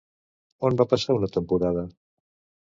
On va passar una temporada?